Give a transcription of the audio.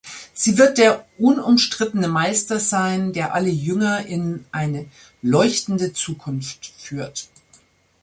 Sie wird der unumstrittene Meister sein, der alle Jünger in eine "leuchtende Zukunft" führt.